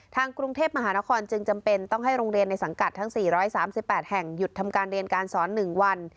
ทางกรุงเทพมหานครจึงจำเป็นต้องให้โรงเรียนในสังกัดทั้ง๔๓๘แห่งหยุดทำการเรียนการสอน๑วัน